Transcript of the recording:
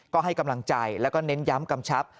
ก็ให้กำลังใจแล้วก็เน้นย้ำกำชับ